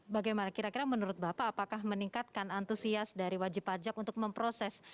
bagaimana kira kira menurut bapak apakah meningkatkan antusias dari wajib pajak untuk memproses